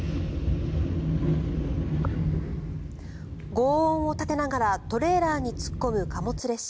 ごう音を立てながらトレーラーに突っ込む貨物列車。